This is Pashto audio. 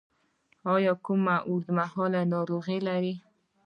ایا کومه اوږدمهاله ناروغي لرئ؟